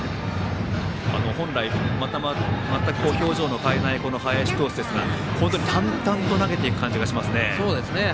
本来、全く表情を変えない林投手ですが淡々と投げていく感じがしますね。